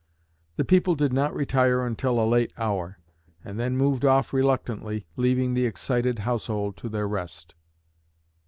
The people did not retire until a late hour, and then moved off reluctantly, leaving the excited household to their rest."